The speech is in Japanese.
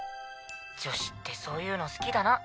「女子ってそういうの好きだな」